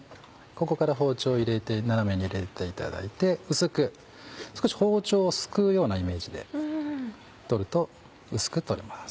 ここから包丁を斜めに入れていただいて薄く少し包丁をすくうようなイメージで取ると薄く取れます。